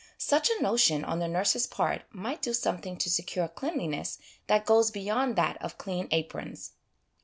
Such a notion on the nurse's part might do something to secure cleanliness that goes beyond that of clean aprons.